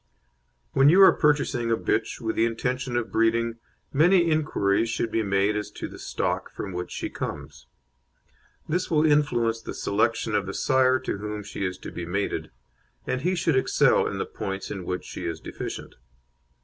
When you are purchasing a bitch with the intention of breeding, many inquiries should be made as to the stock from which she comes. This will influence the selection of the sire to whom she is to be mated, and he should excel in the points in which she is deficient.